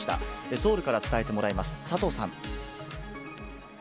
ソウルから伝えてもらいます。